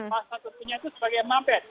masa tersebutnya itu sebagai mabed